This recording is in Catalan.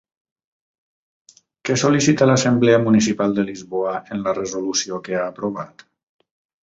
Què sol·licita l'Assemblea Municipal de Lisboa en la resolució que ha aprovat?